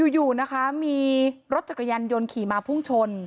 อยู่นะคะมีรถจักรยานยนต์ขี่มาพุ่งชน